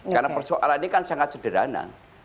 karena persoalan ini kan sangat sederhana